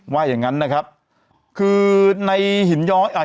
อย่างงั้นนะครับคือในหินย้อยอ่า